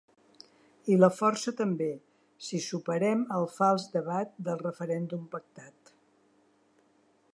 I la força també, si superem el fals debat del referèndum pactat.